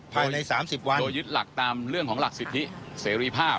ภายใน๓๐วันโดยยึดหลักตามเรื่องของหลักสิทธิเสรีภาพ